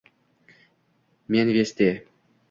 Men Vesti